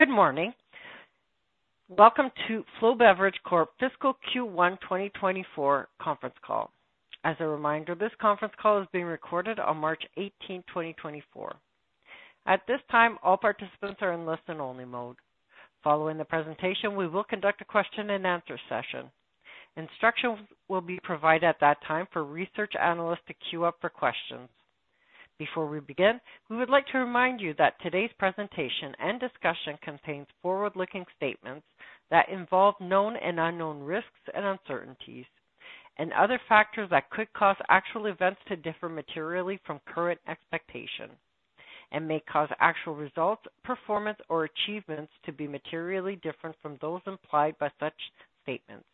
Good morning. Welcome to Flow Beverage Corp fiscal Q1 2024 conference call. As a reminder, this conference call is being recorded on March 18, 2024. At this time, all participants are in listen-only mode. Following the presentation, we will conduct a question-and-answer session. Instructions will be provided at that time for research analysts to queue up for questions. Before we begin, we would like to remind you that today's presentation and discussion contains forward-looking statements that involve known and unknown risks and uncertainties, and other factors that could cause actual events to differ materially from current expectations and may cause actual results, performance, or achievements to be materially different from those implied by such statements.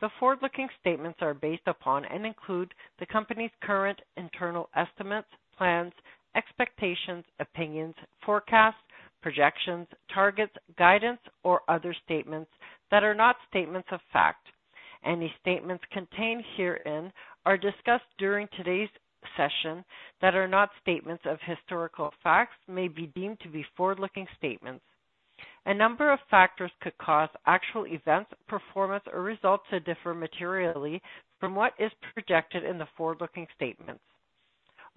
The forward-looking statements are based upon and include the company's current internal estimates, plans, expectations, opinions, forecasts, projections, targets, guidance, or other statements that are not statements of fact. Any statements contained herein or discussed during today's session that are not statements of historical facts may be deemed to be forward-looking statements. A number of factors could cause actual events, performance, or results to differ materially from what is projected in the forward-looking statements.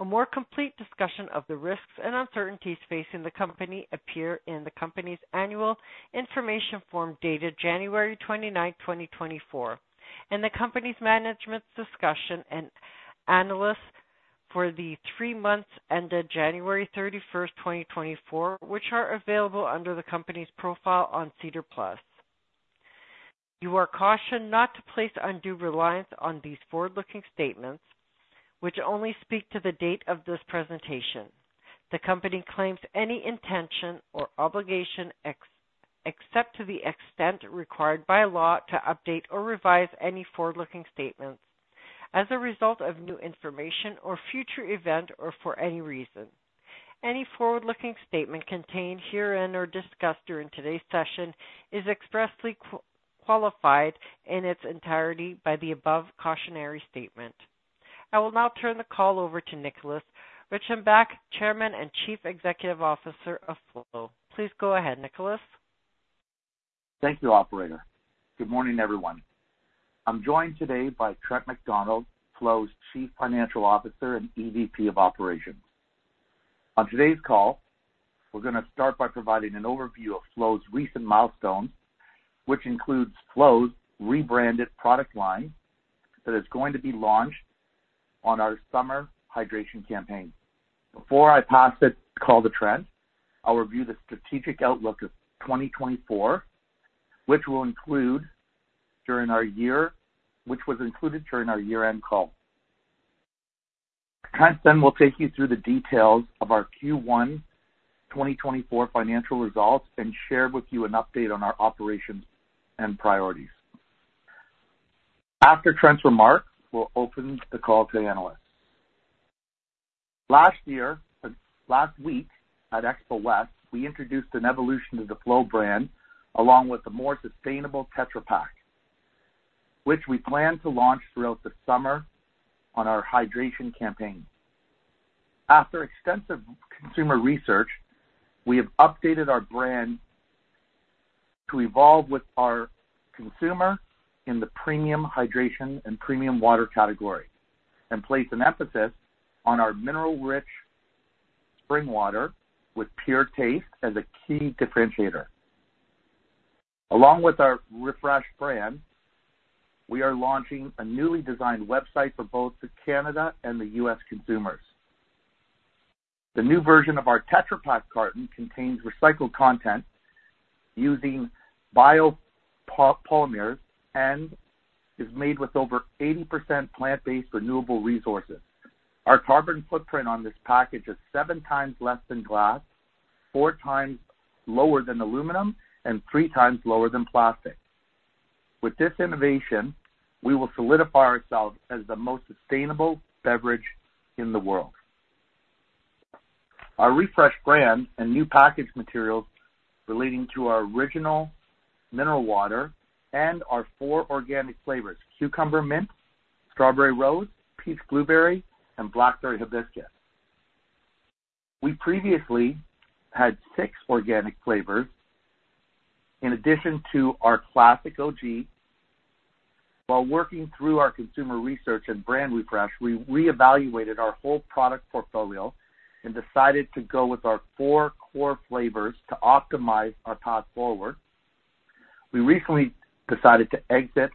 A more complete discussion of the risks and uncertainties facing the company appears in the company's annual information form dated January 29, 2024, and the company's management's discussion and analysis for the three months ended January 31, 2024, which are available under the company's profile on SEDAR+. You are cautioned not to place undue reliance on these forward-looking statements, which only speak to the date of this presentation. The company claims any intention or obligation except to the extent required by law to update or revise any forward-looking statements as a result of new information or future event, or for any reason. Any forward-looking statement contained herein or discussed during today's session is expressly qualified in its entirety by the above cautionary statement. I will now turn the call over to Nicholas v, Chairman and Chief Executive Officer of Flow. Please go ahead, Nicholas. Thank you, operator. Good morning, everyone. I'm joined today by Trent MacDonald, Flow's Chief Financial Officer and EVP of Operations. On today's call, we're gonna start by providing an overview of Flow's recent milestones, which includes Flow's rebranded product line that is going to be launched on our summer hydration campaign. Before I pass the call to Trent, I'll review the strategic outlook of 2024, which will include, during our year—which was included during our year-end call. Trent then will take you through the details of our Q1 2024 financial results and share with you an update on our operations and priorities. After Trent's remarks, we'll open the call to the analysts. Last year, last week at Expo West, we introduced an evolution of the Flow brand, along with a more sustainable Tetra Pak, which we plan to launch throughout the summer on our hydration campaign. After extensive consumer research, we have updated our brand to evolve with our consumer in the premium hydration and premium water category, and place an emphasis on our mineral-rich spring water with pure taste as a key differentiator. Along with our refreshed brand, we are launching a newly designed website for both the Canada and the US consumers. The new version of our Tetra Pak carton contains recycled content using biopolymers and is made with over 80% plant-based renewable resources. Our carbon footprint on this package is seven times less than glass, four times lower than aluminum, and three times lower than plastic. With this innovation, we will solidify ourselves as the most sustainable beverage in the world. Our refreshed brand and new package materials relating to our original mineral water and our four organic flavors, Cucumber Mint, Strawberry Rose, Peach Blueberry, and Blackberry Hibiscus. We previously had six organic flavors in addition to our classic OG. While working through our consumer research and brand refresh, we reevaluated our whole product portfolio and decided to go with our four core flavors to optimize our path forward. We recently decided to exit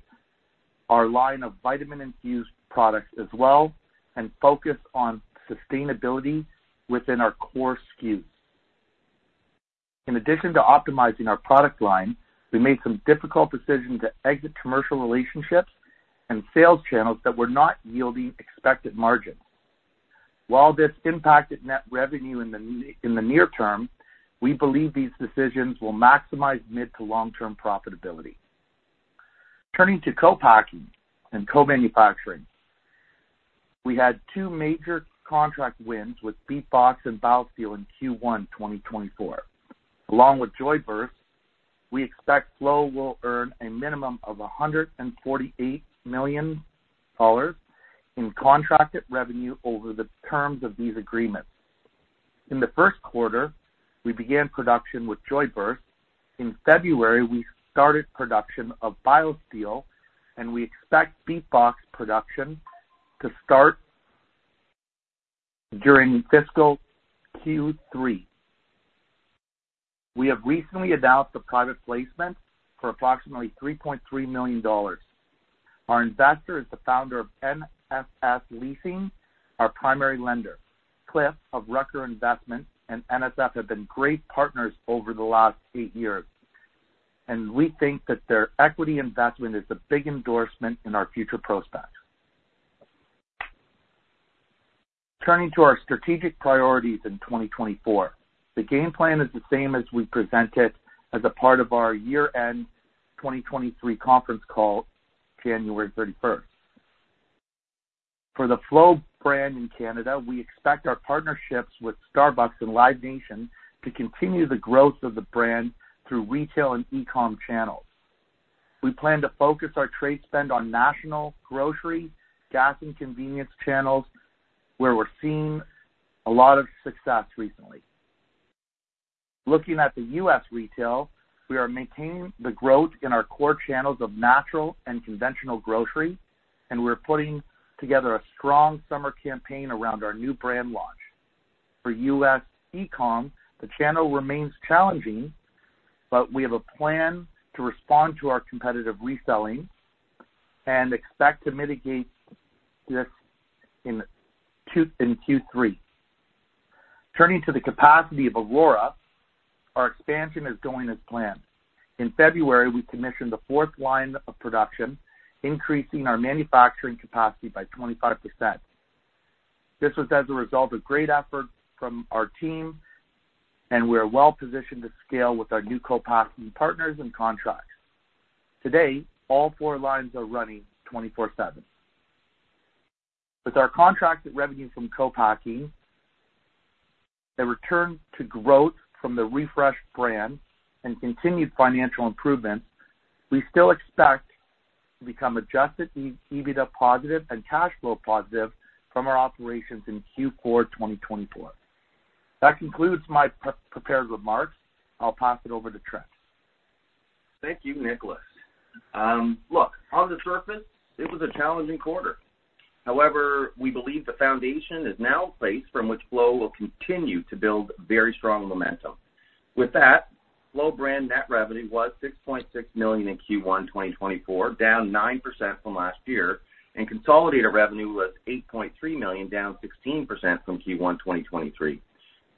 our line of vitamin-infused products as well and focus on sustainability within our core SKUs. In addition to optimizing our product line, we made some difficult decisions to exit commercial relationships and sales channels that were not yielding expected margins. While this impacted net revenue in the near term, we believe these decisions will maximize mid- to long-term profitability. Turning to co-packing and co-manufacturing, we had two major contract wins with BeatBox and BioSteel in Q1 2024, along with Joyburst-... We expect Flow will earn a minimum of 148 million dollars in contracted revenue over the terms of these agreements. In the Q1, we began production with Joyburst. In February, we started production of BioSteel, and we expect BeatBox production to start during fiscal Q3. We have recently announced a private placement for approximately 3.3 million dollars. Our investor is the founder of NFS Leasing, our primary lender. Cliff Rucker of Rucker Investments and NFS have been great partners over the last 8 years, and we think that their equity investment is a big endorsement in our future prospects. Turning to our strategic priorities in 2024, the game plan is the same as we presented as a part of our year-end 2023 conference call, January thirty-first. For the Flow brand in Canada, we expect our partnerships with Starbucks and Live Nation to continue the growth of the brand through retail and e-com channels. We plan to focus our trade spend on national, grocery, gas, and convenience channels, where we're seeing a lot of success recently. Looking at the U.S. retail, we are maintaining the growth in our core channels of natural and conventional grocery, and we're putting together a strong summer campaign around our new brand launch. For U.S. e-com, the channel remains challenging, but we have a plan to respond to our competitive reselling and expect to mitigate this in Q3. Turning to the capacity of Aurora, our expansion is going as planned. In February, we commissioned the fourth line of production, increasing our manufacturing capacity by 25%. This was as a result of great effort from our team, and we are well positioned to scale with our new co-packing partners and contracts. Today, all four lines are running 24/7. With our contracted revenue from co-packing, the return to growth from the refreshed brand, and continued financial improvements, we still expect to become Adjusted EBITDA positive and cash flow positive from our operations in Q4 2024. That concludes my pre-prepared remarks. I'll pass it over to Trent. Thank you, Nicholas. Look, on the surface, this was a challenging quarter. However, we believe the foundation is now in place from which Flow will continue to build very strong momentum. With that, Flow brand net revenue was 6.6 million in Q1 2024, down 9% from last year, and consolidated revenue was 8.3 million, down 16% from Q1 2023.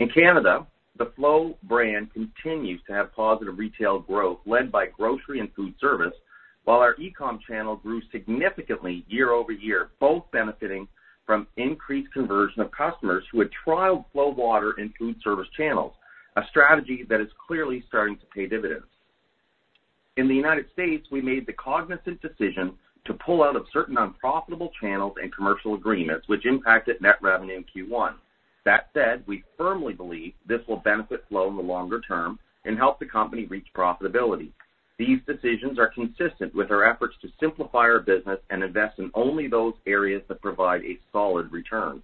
In Canada, the Flow brand continues to have positive retail growth, led by grocery and food service, while our e-com channel grew significantly year-over-year, both benefiting from increased conversion of customers who had trialed Flow water in food service channels, a strategy that is clearly starting to pay dividends. In the United States, we made the cognizant decision to pull out of certain unprofitable channels and commercial agreements, which impacted net revenue in Q1. That said, we firmly believe this will benefit Flow in the longer term and help the company reach profitability. These decisions are consistent with our efforts to simplify our business and invest in only those areas that provide a solid return.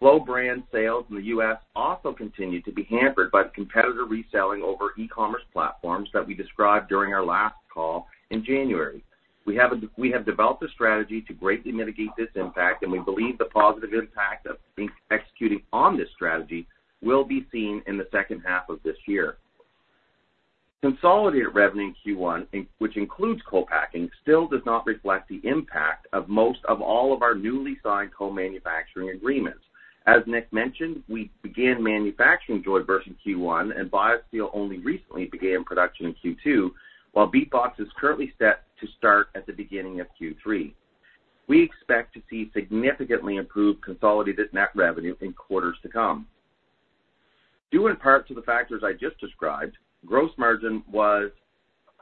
Flow brand sales in the U.S. also continued to be hampered by the competitor reselling over e-commerce platforms that we described during our last call in January. We have developed a strategy to greatly mitigate this impact, and we believe the positive impact of executing on this strategy will be seen in the second half of this year. Consolidated revenue in Q1, which includes co-packing, still does not reflect the impact of most of all of our newly signed co-manufacturing agreements. As Nick mentioned, we began manufacturing Joyburst in Q1, and BioSteel only recently began production in Q2, while BeatBox is currently set to start at the beginning of Q3. We expect to see significantly improved consolidated net revenue in quarters to come. Due in part to the factors I just described, gross margin was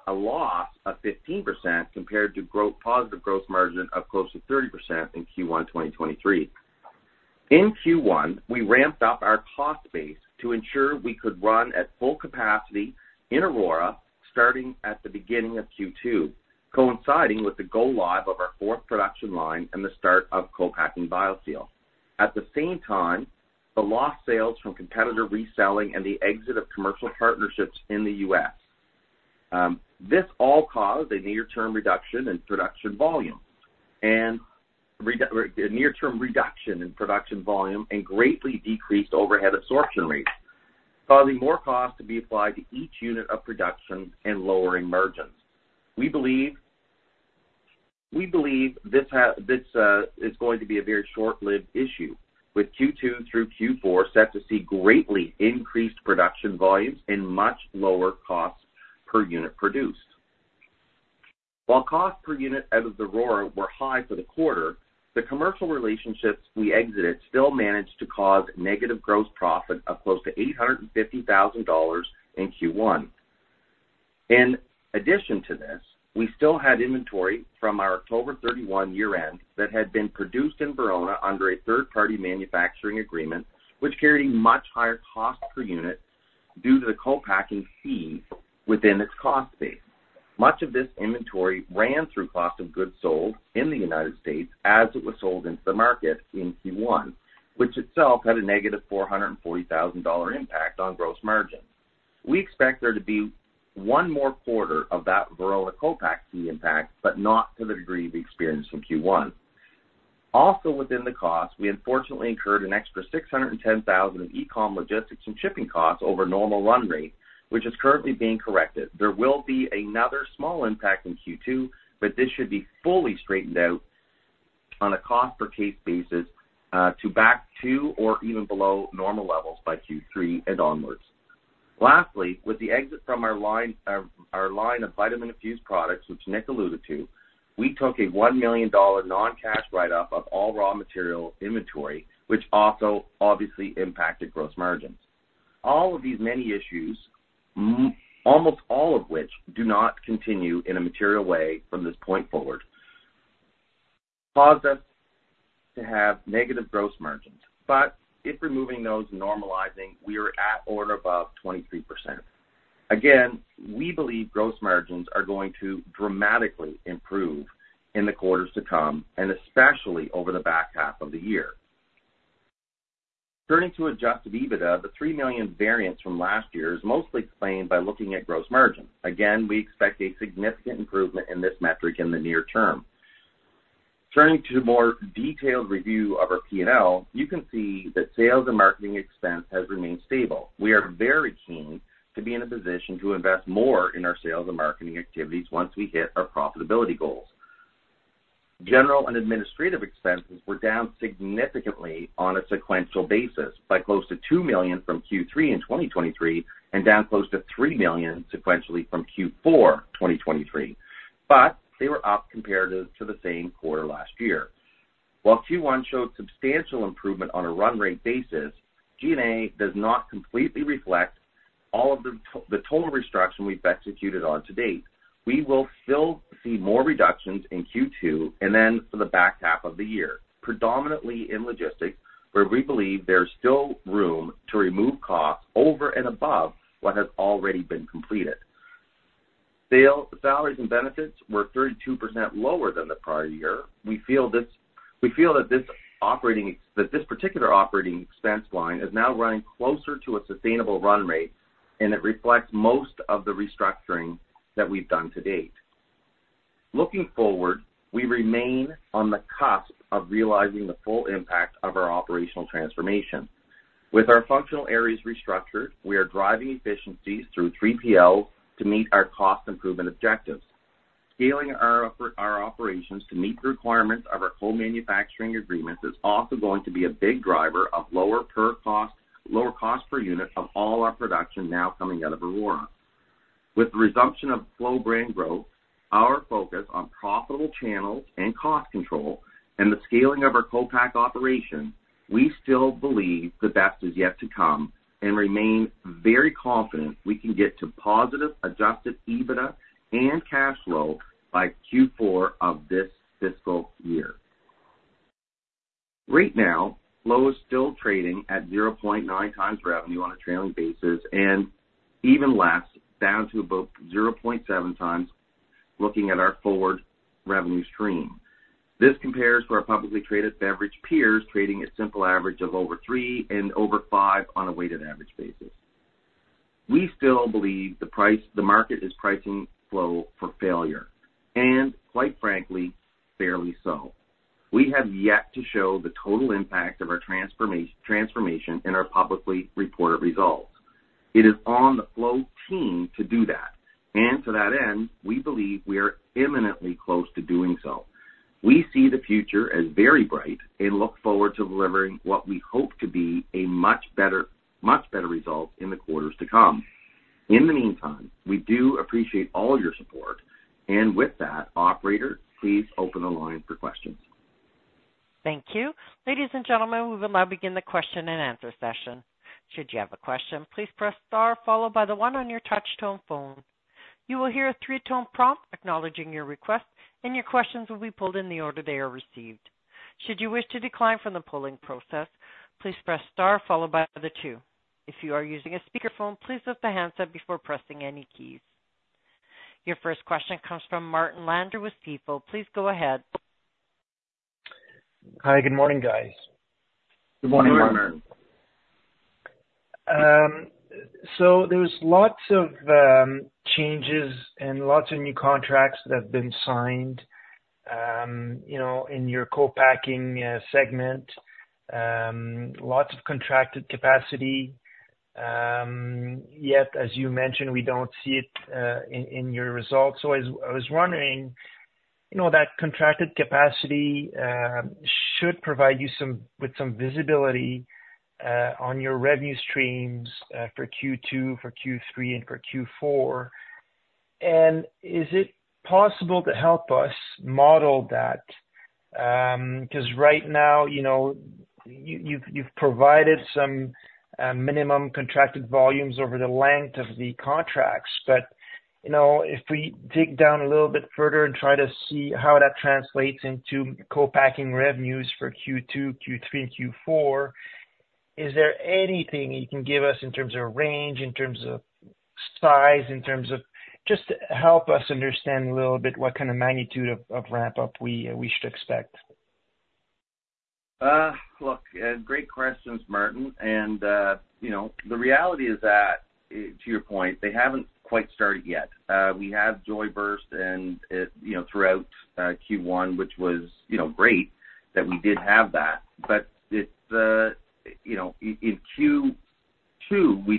a loss of 15% compared to positive gross margin of close to 30% in Q1 2023. In Q1, we ramped up our cost base to ensure we could run at full capacity in Aurora, starting at the beginning of Q2, coinciding with the go-live of our fourth production line and the start of co-packing BioSteel. At the same time, the lost sales from competitor reselling and the exit of commercial partnerships in the U.S., this all caused a near-term reduction in production volume and greatly decreased overhead absorption rates, causing more costs to be applied to each unit of production and lowering margins. We believe this is going to be a very short-lived issue, with Q2 through Q4 set to see greatly increased production volumes and much lower costs per unit produced. While costs per unit out of Aurora were high for the quarter, the commercial relationships we exited still managed to cause negative gross profit of close to $850,000 in Q1. In addition to this, we still had inventory from our October 31 year-end that had been produced in Verona under a third-party manufacturing agreement, which carried much higher cost per unit, due to the co-packing fee within its cost base. Much of this inventory ran through cost of goods sold in the United States as it was sold into the market in Q1, which itself had a -440,000 dollar impact on gross margin. We expect there to be one more quarter of that Aurora co-pack fee impact, but not to the degree we experienced in Q1. Also, within the cost, we unfortunately incurred an extra 610,000 in e-com, logistics, and shipping costs over normal run rate, which is currently being corrected. There will be another small impact in Q2, but this should be fully straightened out on a cost per case basis to back two or even below normal levels by Q3 and onwards. Lastly, with the exit from our line of vitamin infused products, which Nick alluded to, we took a 1 million dollar non-cash write-off of all raw material inventory, which also obviously impacted gross margins. All of these many issues, almost all of which do not continue in a material way from this point forward, caused us to have negative gross margins. But if removing those and normalizing, we are at or above 23%. Again, we believe gross margins are going to dramatically improve in the quarters to come and especially over the back half of the year. Turning to adjusted EBITDA, the 3 million variance from last year is mostly explained by looking at gross margin. Again, we expect a significant improvement in this metric in the near term. Turning to a more detailed review of our P&L, you can see that sales and marketing expense has remained stable. We are very keen to be in a position to invest more in our sales and marketing activities once we hit our profitability goals. General and administrative expenses were down significantly on a sequential basis by close to 2 million from Q3 in 2023, and down close to 3 million sequentially from Q4 2023, but they were up compared to the same quarter last year. While Q1 showed substantial improvement on a run rate basis, G&A does not completely reflect all of the total restructuring we've executed on to date. We will still see more reductions in Q2 and then for the back half of the year, predominantly in logistics, where we believe there's still room to remove costs over and above what has already been completed. Salaries and benefits were 32% lower than the prior year. We feel that this particular operating expense line is now running closer to a sustainable run rate, and it reflects most of the restructuring that we've done to date. Looking forward, we remain on the cusp of realizing the full impact of our operational transformation. With our functional areas restructured, we are driving efficiencies through 3PL to meet our cost improvement objectives. Scaling our operations to meet the requirements of our co-manufacturing agreements is also going to be a big driver of lower per cost, lower cost per unit of all our production now coming out of Aurora. With the resumption of Flow brand growth, our focus on profitable channels and cost control, and the scaling of our co-pack operation, we still believe the best is yet to come, and remain very confident we can get to positive Adjusted EBITDA and cash flow by Q4 of this fiscal year. Right now, Flow is still trading at 0.9x revenue on a trailing basis, and even less, down to about 0.7x, looking at our forward revenue stream. This compares to our publicly traded beverage peers, trading a simple average of over 3x and over 5x on a weighted average basis. We still believe the price, the market is pricing Flow for failure, and quite frankly, fairly so. We have yet to show the total impact of our transformation, transformation in our publicly reported results. It is on the Flow team to do that, and to that end, we believe we are imminently close to doing so. We see the future as very bright and look forward to delivering what we hope to be a much better, much better result in the quarters to come. In the meantime, we do appreciate all your support. And with that, operator, please open the line for questions. Thank you. Ladies and gentlemen, we will now begin the question-and-answer session. Should you have a question, please press star followed by the one on your touch tone phone. You will hear a three-tone prompt acknowledging your request, and your questions will be pulled in the order they are received. Should you wish to decline from the polling process, please press star followed by the two. If you are using a speakerphone, please lift the handset before pressing any keys. Your first question comes from Martin Landry with Stifel GMP. Please go ahead. Hi, good morning, guys. Good morning, Martin. Good morning. So there was lots of changes and lots of new contracts that have been signed, you know, in your co-packing segment. Lots of contracted capacity. Yet, as you mentioned, we don't see it in your results. So I was wondering, you know, that contracted capacity should provide you with some visibility on your revenue streams for Q2, for Q3, and for Q4. And is it possible to help us model that? Because right now, you know, you've provided some minimum contracted volumes over the length of the contracts, but... You know, if we dig down a little bit further and try to see how that translates into co-packing revenues for Q2, Q3, and Q4, is there anything you can give us in terms of range, in terms of size, in terms of-- just to help us understand a little bit what kind of magnitude of, of ramp-up we, we should expect? Look, great questions, Martin. And, you know, the reality is that, to your point, they haven't quite started yet. We had Joyburst and, you know, throughout, Q1, which was, you know, great that we did have that. But it's, you know, in Q2, we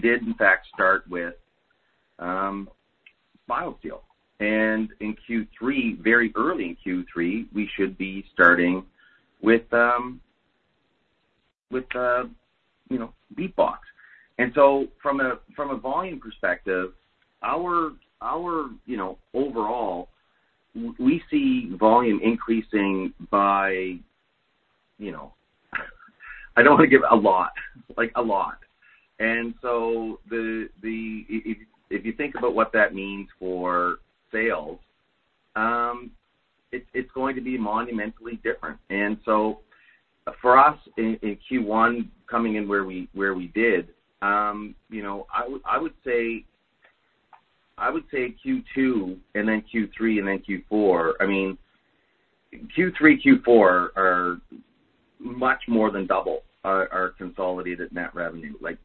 did in fact start with, BioSteel, and in Q3, very early in Q3, we should be starting with, you know, BeatBox. And so from a volume perspective, our, you know, overall, we see volume increasing by, you know, I don't wanna give a lot, like, a lot. And so the... If, if you think about what that means for sales, it's, it's going to be monumentally different. And so for us in Q1, coming in where we did, you know, I would say Q2, and then Q3, and then Q4. I mean, Q3, Q4 are much more than double our consolidated net revenue, like,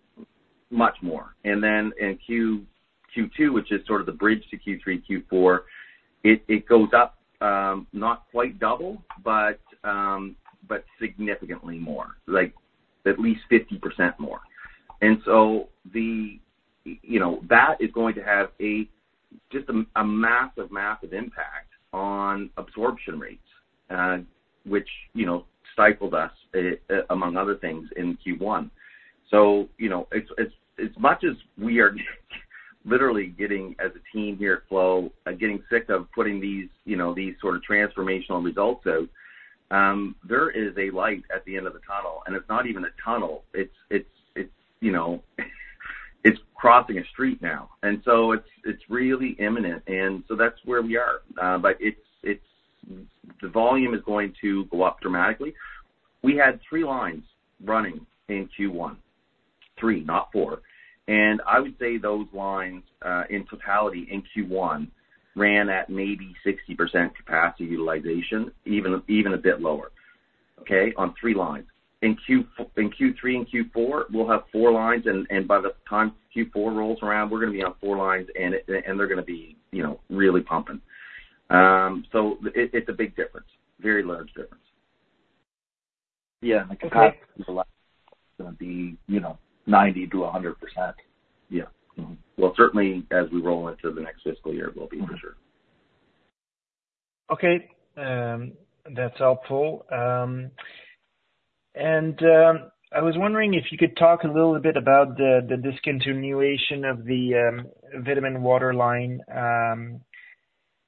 much more. And then in Q2, which is sort of the bridge to Q3, Q4, it goes up, not quite double, but significantly more, like at least 50% more. And so you know, that is going to have just a massive, massive impact on absorption rates, which, you know, stifled us, among other things, in Q1. So, you know, as much as we are literally getting, as a team here at Flow, getting sick of putting these, you know, these sort of transformational results out, there is a light at the end of the tunnel, and it's not even a tunnel, it's, you know, it's crossing a street now. And so it's really imminent, and so that's where we are. But it's the volume is going to go up dramatically. We had three lines running in Q1. Three, not four. And I would say those lines, in totality, in Q1, ran at maybe 60% capacity utilization, even a bit lower, okay? On three lines. In Q3 and Q4, we'll have four lines, and by the time Q4 rolls around, we're gonna be on four lines, and they're gonna be, you know, really pumping. So it, it's a big difference, very large difference. Yeah, and the capacity is gonna be, you know, 90%-100%. Yeah. Mm-hmm. Well, certainly, as we roll into the next fiscal year, it will be, for sure. Okay, that's helpful. I was wondering if you could talk a little bit about the discontinuation of the vitamin water line. You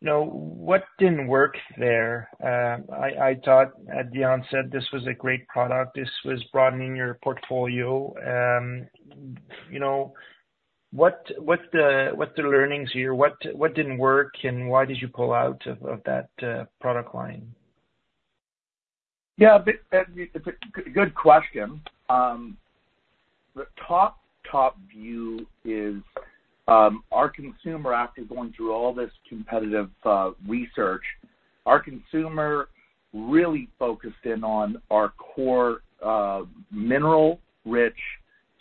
know, what didn't work there? I thought at the onset, this was a great product. This was broadening your portfolio. You know, what are the learnings here? What didn't work, and why did you pull out of that product line? Yeah, a bit, it's a good question. The top view is, our consumer... After going through all this competitive, research, our consumer really focused in on our core, mineral-rich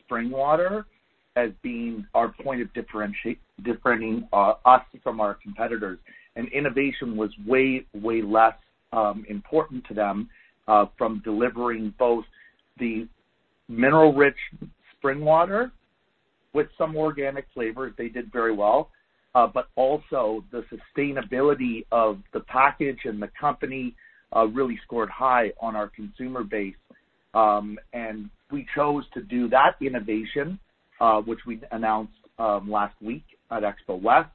spring water as being our point of differentiating, us from our competitors. And innovation was way, way less, important to them, from delivering both the mineral-rich spring water with some organic flavors, they did very well, but also the sustainability of the package and the company, really scored high on our consumer base. And we chose to do that innovation, which we announced, last week at Expo West,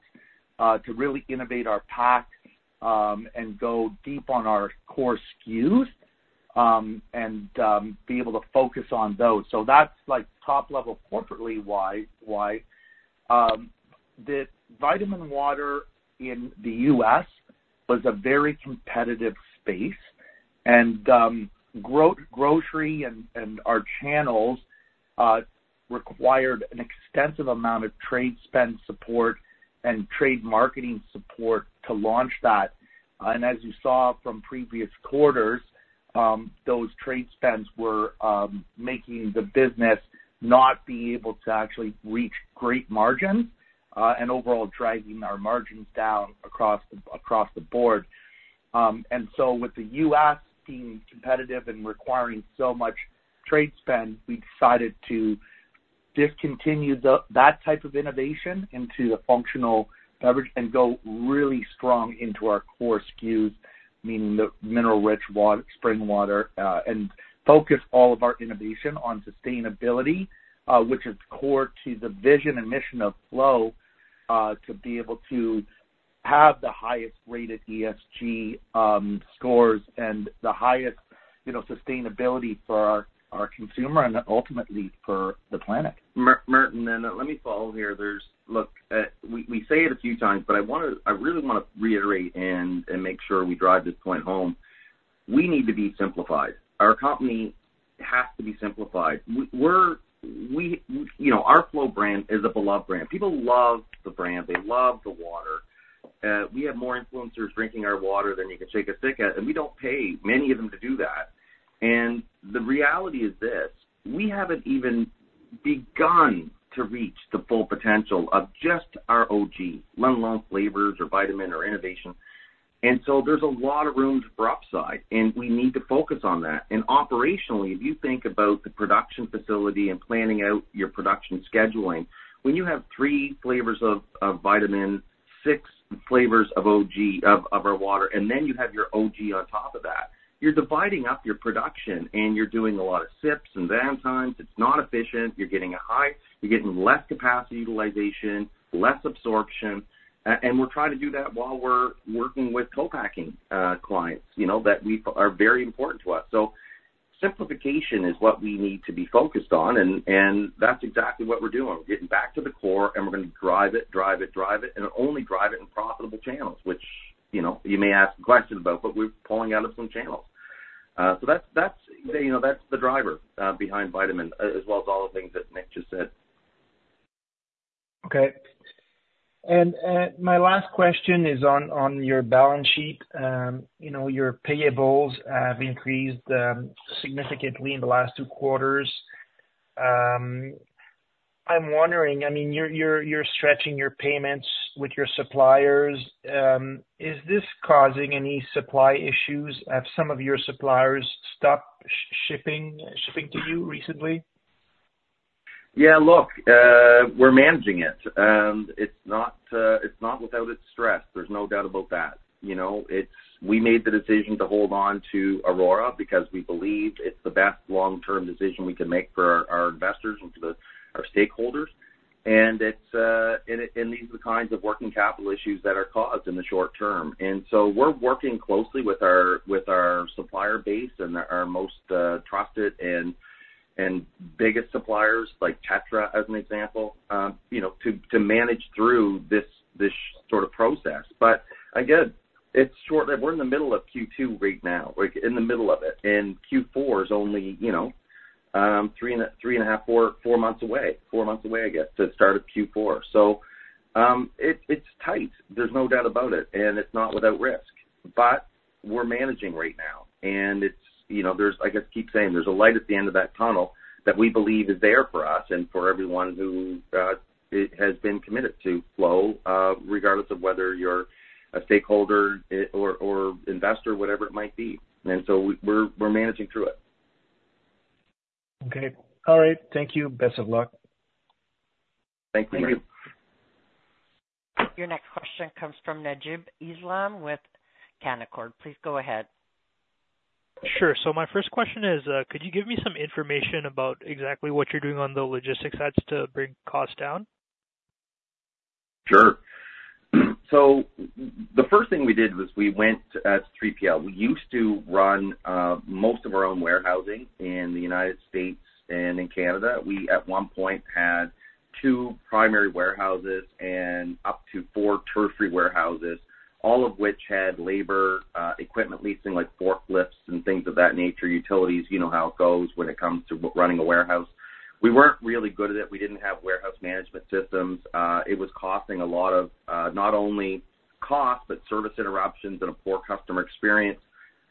to really innovate our packs, and go deep on our core SKUs, and, be able to focus on those. So that's, like, top-level, corporately-wise, why. The vitamin water in the U.S. was a very competitive space, and grocery and our channels required an extensive amount of trade spend support and trade marketing support to launch that. And as you saw from previous quarters, those trade spends were making the business not be able to actually reach great margins, and overall driving our margins down across the board. So with the U.S. being competitive and requiring so much trade spend, we decided to discontinue that type of innovation into a functional beverage and go really strong into our core SKUs, meaning the mineral-rich water, spring water, and focus all of our innovation on sustainability, which is core to the vision and mission of Flow, to be able to-... have the highest rated ESG scores and the highest, you know, sustainability for our consumer and ultimately for the planet. Martin, and let me follow here. There's— Look, we say it a few times, but I wanna— I really wanna reiterate and make sure we drive this point home. We need to be simplified. Our company has to be simplified. We're, you know, our Flow brand is a beloved brand. People love the brand. They love the water. We have more influencers drinking our water than you can shake a stick at, and we don't pay many of them to do that. And the reality is this: we haven't even begun to reach the full potential of just our OG, let alone flavors or vitamin or innovation. And so there's a lot of room for upside, and we need to focus on that. Operationally, if you think about the production facility and planning out your production scheduling, when you have 3 flavors of vitamin, 6 flavors of OG of our water, and then you have your OG on top of that, you're dividing up your production, and you're doing a lot of sips and oftentimes, it's not efficient. You're getting less capacity utilization, less absorption, and we're trying to do that while we're working with co-packing clients, you know, that we are very important to us. Simplification is what we need to be focused on, and that's exactly what we're doing. We're getting back to the core, and we're gonna drive it, drive it, drive it, and only drive it in profitable channels, which, you know, you may ask a question about, but we're pulling out of some channels. So that's, you know, that's the driver behind Vitamin, as well as all the things that Nick just said. Okay. And my last question is on your balance sheet. You know, your payables have increased significantly in the last two quarters. I'm wondering, I mean, you're stretching your payments with your suppliers. Is this causing any supply issues? Have some of your suppliers stopped shipping to you recently? Yeah, look, we're managing it. It's not without its stress, there's no doubt about that. You know, it's... We made the decision to hold on to Aurora because we believed it's the best long-term decision we can make for our investors and for our stakeholders. And it's, and these are the kinds of working capital issues that are caused in the short term. And so we're working closely with our supplier base and our most trusted and biggest suppliers, like Tetra, as an example, you know, to manage through this sort of process. But again, it's short lived. We're in the middle of Q2 right now, like, in the middle of it, and Q4 is only, you know, 3.5-4 months away. Four months away, I guess, to start of Q4. So, it's tight, there's no doubt about it, and it's not without risk. But we're managing right now, and it's, you know, there's, I guess, keep saying there's a light at the end of that tunnel that we believe is there for us and for everyone who has been committed to Flow, regardless of whether you're a stakeholder or investor, whatever it might be. And so we're managing through it. Okay. All right. Thank you. Best of luck. Thank you. Your next question comes from Naguib Islam with Canaccord. Please go ahead. Sure. So my first question is, could you give me some information about exactly what you're doing on the logistics side to bring costs down? Sure. So the first thing we did was we went to 3PL. We used to run most of our own warehousing in the United States and in Canada. We, at one point, had two primary warehouses and up to four tertiary warehouses, all of which had labor, equipment leasing, like forklifts and things of that nature, utilities, you know how it goes when it comes to running a warehouse. We weren't really good at it. We didn't have warehouse management systems. It was costing a lot of not only cost, but service interruptions and a poor customer experience.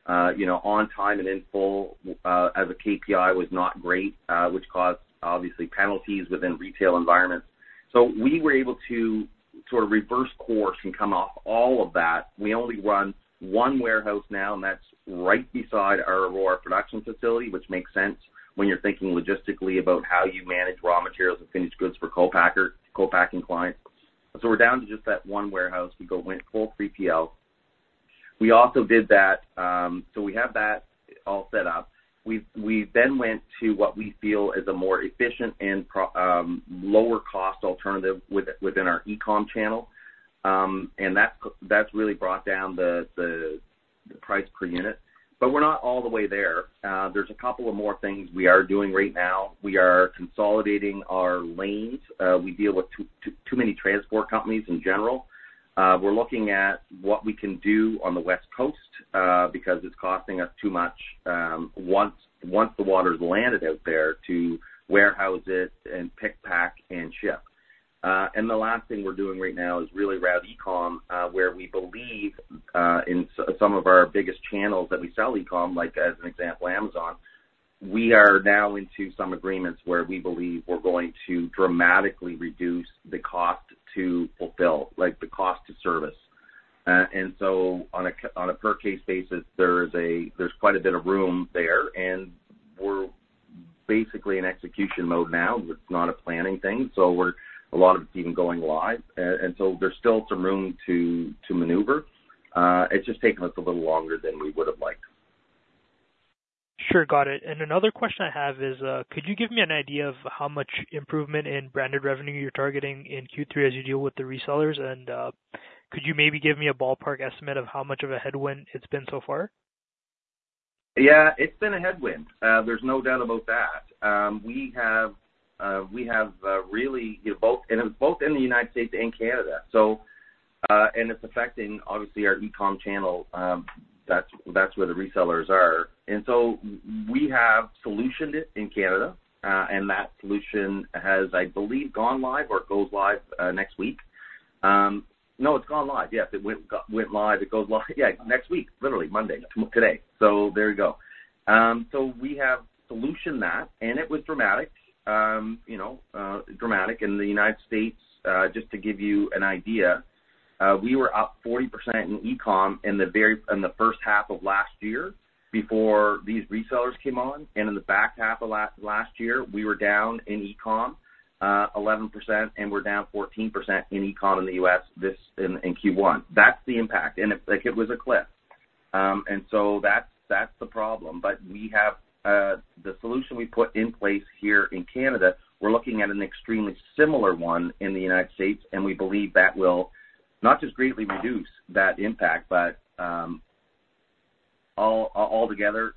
You know, on time and in full as a KPI was not great, which caused obviously penalties within retail environments. So we were able to sort of reverse course and come off all of that. We only run one warehouse now, and that's right beside our Aurora production facility, which makes sense when you're thinking logistically about how you manage raw materials and finished goods for co-packer, co-packing clients. So we're down to just that one warehouse. We went full 3PL. We also did that. So we have that all set up. We then went to what we feel is a more efficient and lower cost alternative within our e-com channel. And that's really brought down the price per unit, but we're not all the way there. There's a couple of more things we are doing right now. We are consolidating our lanes. We deal with too many transport companies in general. We're looking at what we can do on the West Coast, because it's costing us too much, once the water's landed out there to warehouse it and pick, pack, and ship. And the last thing we're doing right now is really around e-com, where we believe in some of our biggest channels that we sell e-com, like as an example, Amazon, we are now into some agreements where we believe we're going to dramatically reduce the cost to fulfill, like, the cost to service. And so on a per case basis, there's quite a bit of room there, and we're basically in execution mode now. It's not a planning thing, so we're... A lot of it's even going live. And so there's still some room to maneuver. It's just taking us a little longer than we would've liked. ... Sure, got it. Another question I have is, could you give me an idea of how much improvement in branded revenue you're targeting in Q3 as you deal with the resellers? Could you maybe give me a ballpark estimate of how much of a headwind it's been so far? Yeah, it's been a headwind. There's no doubt about that. We have, we have, really, you know, both in the United States and Canada. So, and it's affecting, obviously, our e-com channel, that's where the resellers are. And so we have solutioned it in Canada, and that solution has, I believe, gone live or it goes live, next week. No, it's gone live. Yes, it went live. It goes live, yeah, next week, literally Monday, tomorrow, today. So there you go. So we have solutioned that, and it was dramatic. You know, dramatic in the United States, just to give you an idea, we were up 40% in e-comm in the first half of last year before these resellers came on, and in the back half of last year, we were down in e-comm 11%, and we're down 14% in e-comm in the U.S., in Q1. That's the impact, and it—like, it was a cliff. And so that's, that's the problem. But we have the solution we put in place here in Canada, we're looking at an extremely similar one in the United States, and we believe that will not just greatly reduce that impact, but altogether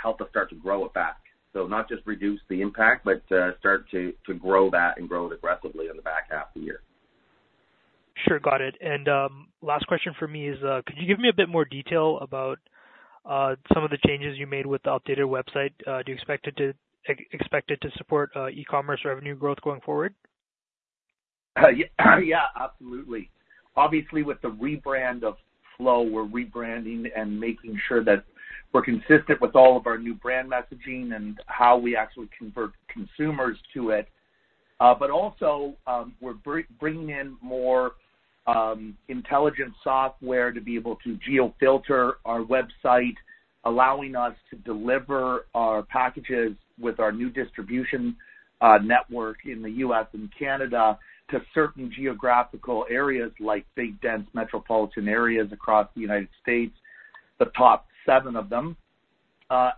help us start to grow it back. So not just reduce the impact, but start to grow that and grow it aggressively in the back half of the year. Sure, got it. And, last question for me is, could you give me a bit more detail about some of the changes you made with the updated website? Do you expect it to support e-commerce revenue growth going forward? Yeah, absolutely. Obviously, with the rebrand of Flow, we're rebranding and making sure that we're consistent with all of our new brand messaging and how we actually convert consumers to it. But also, we're bringing in more intelligent software to be able to geo-filter our website, allowing us to deliver our packages with our new distribution network in the U.S. and Canada to certain geographical areas like big, dense metropolitan areas across the United States, the top seven of them.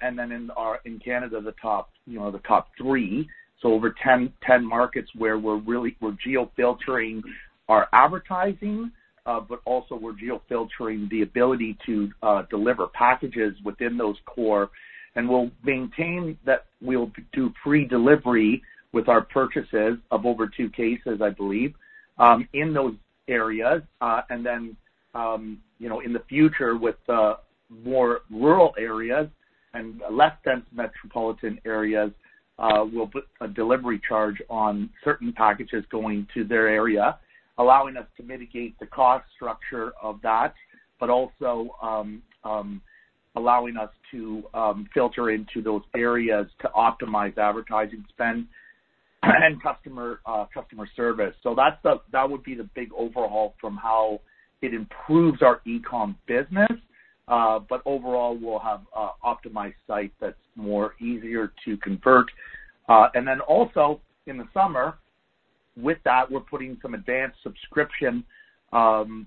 And then in Canada, the top, you know, the top three. So over 10 markets where we're really geo-filtering our advertising, but also we're geo-filtering the ability to deliver packages within those core. And we'll maintain that we'll do free delivery with our purchases of over two cases, I believe, in those areas. And then, you know, in the future, with the more rural areas and less dense metropolitan areas, we'll put a delivery charge on certain packages going to their area, allowing us to mitigate the cost structure of that, but also, allowing us to filter into those areas to optimize advertising spend and customer customer service. So that's that would be the big overhaul from how it improves our e-comm business. But overall, we'll have a optimized site that's more easier to convert. And then also in the summer, with that, we're putting some advanced subscription software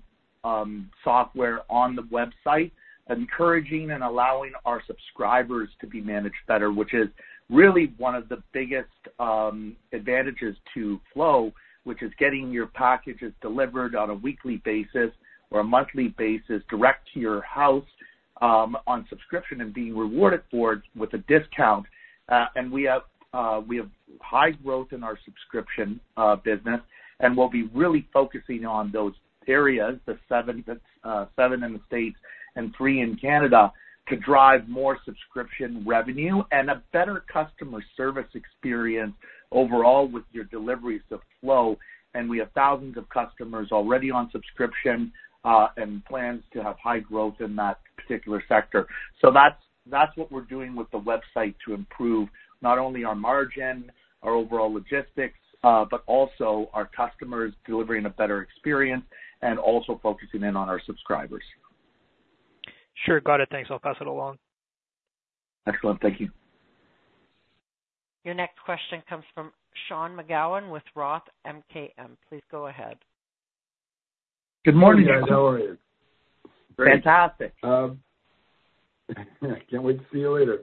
on the website, encouraging and allowing our subscribers to be managed better, which is really one of the biggest advantages to Flow, which is getting your packages delivered on a weekly basis or a monthly basis direct to your house on subscription, and being rewarded for it with a discount. And we have high growth in our subscription business, and we'll be really focusing on those areas, the 7, that's 7 in the States and 3 in Canada, to drive more subscription revenue and a better customer service experience overall with your deliveries of Flow. And we have thousands of customers already on subscription and plans to have high growth in that particular sector. So that's, that's what we're doing with the website to improve not only our margin, our overall logistics, but also our customers, delivering a better experience, and also focusing in on our subscribers. Sure, got it. Thanks. I'll pass it along. Excellent. Thank you. Your next question comes from Sean McGowan with Roth MKM. Please go ahead. Good morning, guys. How are you? Great. Fantastic. Can't wait to see you later.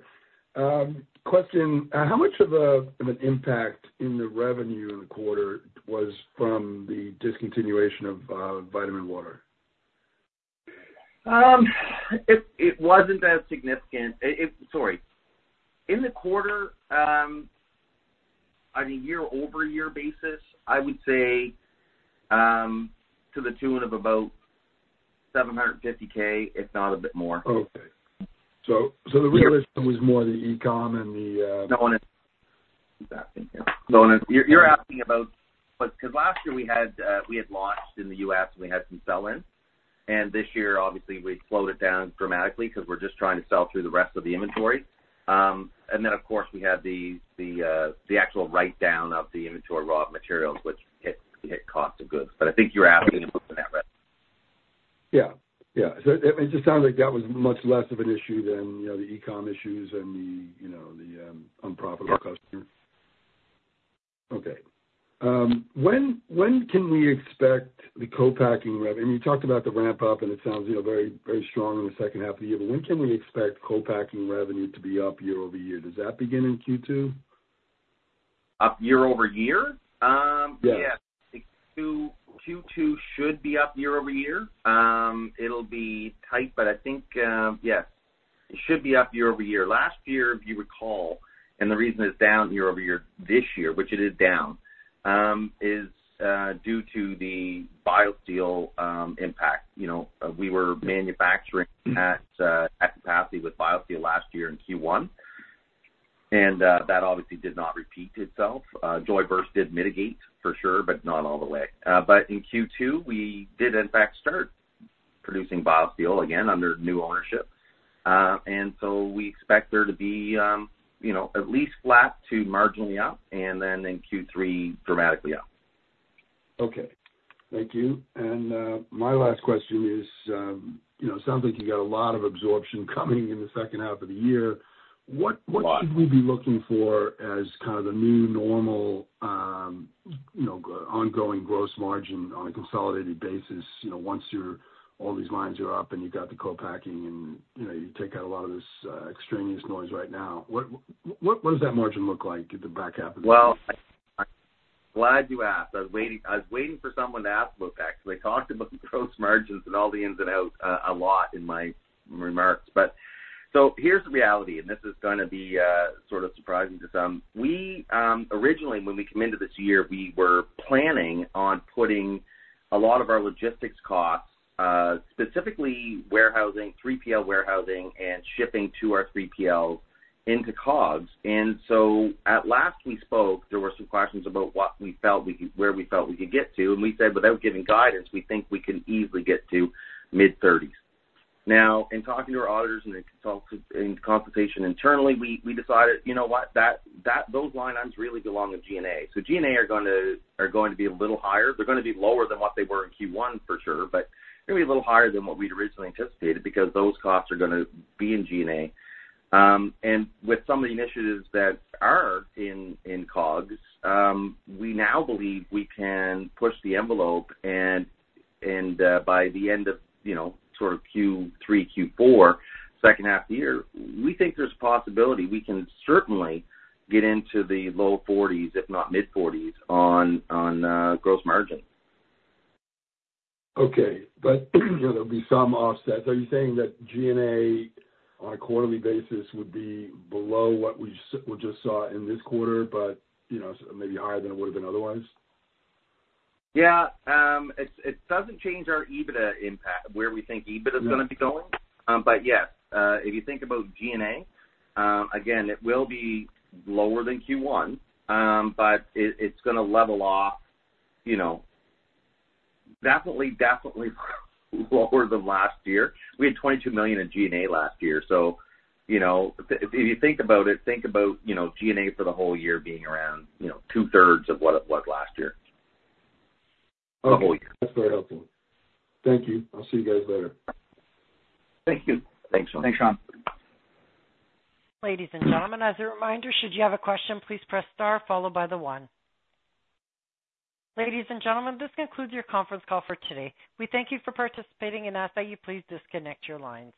Question, how much of an impact in the revenue in the quarter was from the discontinuation of vitamin Water? It wasn't that significant. Sorry, in the quarter, on a year-over-year basis, I would say, to the tune of about 750,000, if not a bit more. Okay. So, the real issue was more the e-comm and the, You're asking about—but, because last year we had launched in the U.S., and we had some sell-in, and this year, obviously, we slowed it down dramatically because we're just trying to sell through the rest of the inventory. And then, of course, we had the actual write-down of the inventory raw materials, which hit cost of goods. But I think you're asking about the net, right? Yeah, yeah. So it just sounds like that was much less of an issue than, you know, the e-comm issues and the, you know, the unprofitable customers.... Okay. When, when can we expect the co-packing revenue? You talked about the ramp up, and it sounds, you know, very, very strong in the second half of the year, but when can we expect co-packing revenue to be up year-over-year? Does that begin in Q2? Up year-over-year? Yes. Yes, Q2 should be up year-over-year. It'll be tight, but I think, yes, it should be up year-over-year. Last year, if you recall, and the reason it's down year-over-year this year, which it is down, is due to the BioSteel impact. You know, we were manufacturing at capacity with BioSteel last year in Q1, and that obviously did not repeat itself. Joyburst did mitigate for sure, but not all the way. But in Q2, we did in fact start producing BioSteel again under new ownership. And so we expect there to be, you know, at least flat to marginally up, and then in Q3, dramatically up. Okay. Thank you. My last question is, you know, sounds like you got a lot of absorption coming in the second half of the year. A lot. What, what should we be looking for as kind of the new normal, you know, ongoing gross margin on a consolidated basis? You know, once you're, all these lines are up and you've got the co-packing and, you know, you take out a lot of this, extraneous noise right now, what, what does that margin look like at the back half of the year? Well, I'm glad you asked. I was waiting, I was waiting for someone to ask about that because I talked about gross margins and all the ins and outs, a lot in my remarks. But so here's the reality, and this is gonna be, sort of surprising to some. We, originally, when we came into this year, we were planning on putting a lot of our logistics costs, specifically warehousing, 3PL warehousing and shipping to our 3PLs into COGS. And so at last we spoke, there were some questions about what we felt we could-- where we felt we could get to, and we said, without giving guidance, we think we can easily get to mid-thirties. Now, in talking to our auditors and consultation internally, we decided, you know what? That, those line items really belong with G&A. So G&A are gonna, are going to be a little higher. They're gonna be lower than what they were in Q1, for sure, but gonna be a little higher than what we'd originally anticipated, because those costs are gonna be in G&A. And with some of the initiatives that are in, in COGS, we now believe we can push the envelope and, and, by the end of, you know, sort of Q3, Q4, second half of the year, we think there's a possibility we can certainly get into the low forties, if not mid-forties, on, on, gross margin. Okay, but there'll be some offsets. Are you saying that G&A, on a quarterly basis, would be below what we just saw in this quarter, but, you know, maybe higher than it would have been otherwise? Yeah. It doesn't change our EBITDA impact, where we think EBITDA is gonna be going. Yeah. But yes, if you think about G&A, again, it will be lower than Q1, but it, it's gonna level off, you know, definitely, definitely lower than last year. We had 22 million in G&A last year, so you know, if you think about it, think about, you know, G&A for the whole year being around, you know, two-thirds of what it was last year. Okay. The whole year. That's very helpful. Thank you. I'll see you guys later. Thank you. Thanks, Sean. Thanks, Sean. Ladies and gentlemen, as a reminder, should you have a question, please press star followed by the one. Ladies and gentlemen, this concludes your conference call for today. We thank you for participating and ask that you please disconnect your lines.